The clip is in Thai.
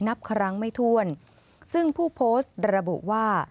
นับครั้งไม่ถ้วนซึ่งผู้โพสต์ระบุว่า